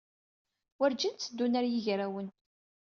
Werǧin tteddun ɣer yigrawen.